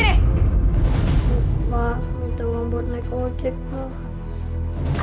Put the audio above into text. bapak minta uang buat naik ojek pa